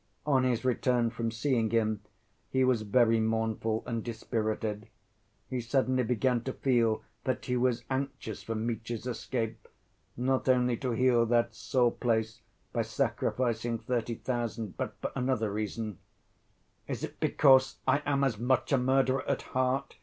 On his return from seeing him, he was very mournful and dispirited; he suddenly began to feel that he was anxious for Mitya's escape, not only to heal that sore place by sacrificing thirty thousand, but for another reason. "Is it because I am as much a murderer at heart?"